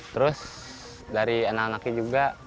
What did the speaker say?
terus dari anak anaknya juga